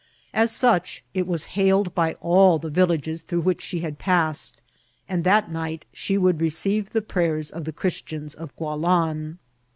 As such, it was hailed by all the villages through which she had passed ; and that night she would receive the prayers of the Christians of Gualan.